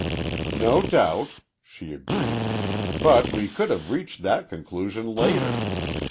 "No doubt," she agreed, "but we could have reached that conclusion later.